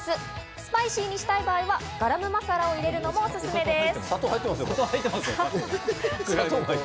スパイシーにしたいときは、ガラムマサラを加えることもお薦めです。